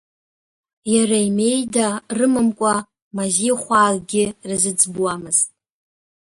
Иара имеида рымамкәа мазихәаа акгьы рзыӡбуамызт…